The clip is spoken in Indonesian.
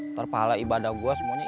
ntar pahala ibadah gue semuanya